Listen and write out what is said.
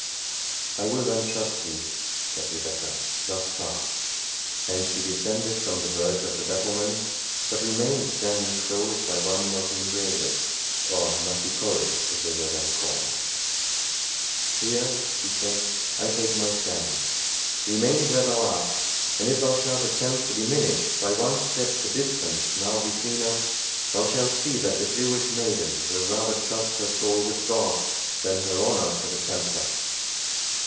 "I will then trust thee," said Rebecca, "thus far;" and she descended from the verge of the battlement, but remained standing close by one of the embrasures, or "machicolles", as they were then called.—"Here," she said, "I take my stand. Remain where thou art, and if thou shalt attempt to diminish by one step the distance now between us, thou shalt see that the Jewish maiden will rather trust her soul with God, than her honour to the Templar!"